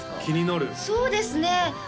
気になるそうですね